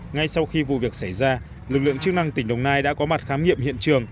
ngay sau khi vụ việc xảy ra lực lượng chức năng tỉnh đồng nai đã có mặt khám nghiệm hiện trường